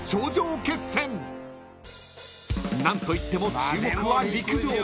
［何といっても注目は］